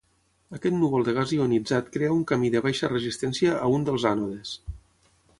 Aquest núvol de gas ionitzat crea un camí de baixa resistència a un dels ànodes.